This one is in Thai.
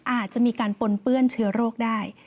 อาจจะมีการปนเปื้อนเชื้อโรคได้